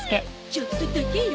ちょっとだけよ。